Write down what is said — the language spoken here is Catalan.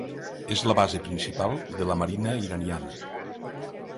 És la base principal de la marina iraniana.